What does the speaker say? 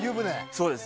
そうです。